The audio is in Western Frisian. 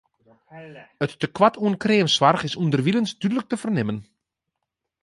It tekoart oan kreamsoarch is ûnderwilens dúdlik te fernimmen.